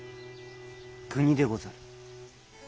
国でござる。